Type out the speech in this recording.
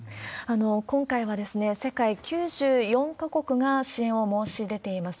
今回は世界９４か国が支援を申し出ています。